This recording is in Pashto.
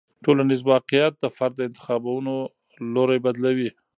ټولنیز واقیعت د فرد د انتخابونو لوری بدلوي.